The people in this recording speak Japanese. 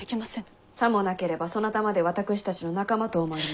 さもなければそなたまで私たちの仲間と思われます。